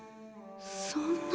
そんな。